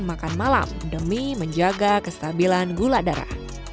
makan malam demi menjaga kestabilan gula darah